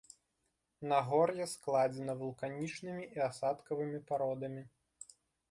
Нагор'е складзена вулканічнымі і асадкавымі пародамі.